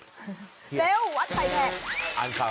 เร็ววัดไพแครก